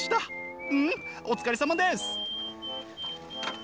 うんお疲れさまです！